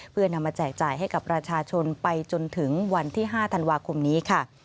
เพื่อนำมาแจกจ่ายให้กับประชาชนไปจนถึงวันที่๕ธันวาคมนี้ค่ะ